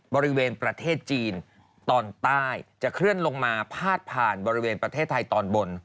บริเวณประเทศจีนตอนใต้จะเคลื่อนลงมาพาดผ่านบริเวณประเทศไทยตอนบน